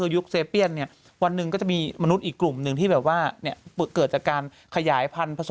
ยุคอย่างคนมนุษย์อย่างเรานั้นก็จะหายไป